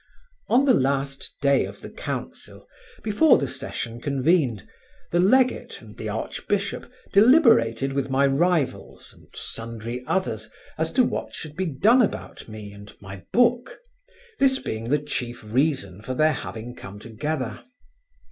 On the last day of the council, before the session convened, the legate and the archbishop deliberated with my rivals and sundry others as to what should be done about me and my book, this being the chief reason for their having come together.